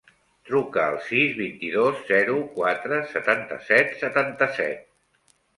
Truca al sis, vint-i-dos, zero, quatre, setanta-set, setanta-set.